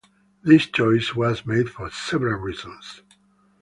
This choice was made for several reasons.